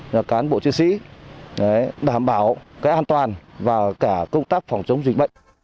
các cán bộ chiến sĩ đảm bảo an toàn